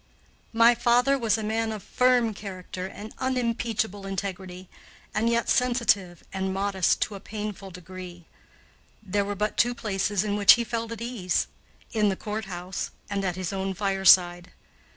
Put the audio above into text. My father was a man of firm character and unimpeachable integrity, and yet sensitive and modest to a painful degree. There were but two places in which he felt at ease in the courthouse and at his own fireside.